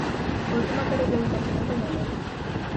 A última carreira do campionato galego.